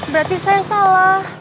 berarti saya salah